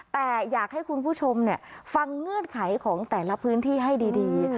แต่อยากให้คุณผู้ชมฟังเงื่อนไขของแต่ละพื้นที่ให้ดี